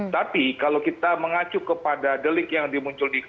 tapi kalau kita mengacu kepada delik yang dimuncul dikirimkan